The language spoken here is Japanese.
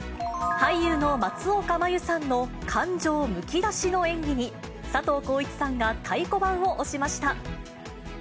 俳優の松岡茉優さんの感情むき出しの演技に、佐藤浩市さんが太鼓判を押しました。